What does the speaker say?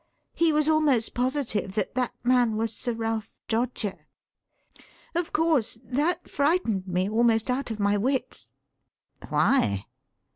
He was almost positive that that man was Sir Ralph Droger. Of course that frightened me almost out of my wits." "Why?"